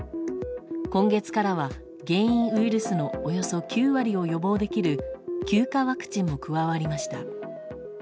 今月からは原因ウイルスのおよそ９割を予防できる９価ワクチンも加わりました。